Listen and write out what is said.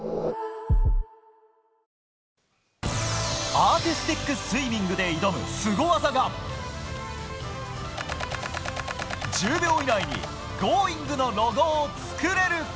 アーティスティックスイミングで挑むスゴ技が１０秒以内に「Ｇｏｉｎｇ！」のロゴを作れるか。